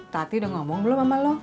tati udah ngomong belum sama lu